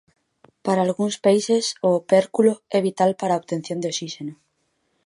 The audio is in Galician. Para algúns peixes o opérculo é vital para a obtención de oxíxeno.